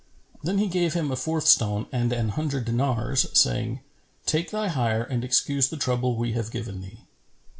Then he gave him a fourth stone and an hundred dinars, saying, "Take thy hire and excuse the trouble we have given thee."